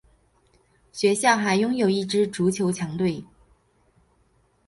学校还拥有一支足球强队。